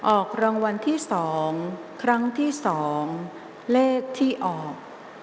ออกรางวัลที่๒ครั้งที่๒เลขที่ออก